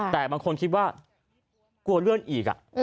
แต่บางคนคิดว่ากลัวเลื่อนอีก